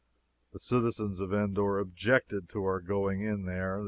The citizens of Endor objected to our going in there.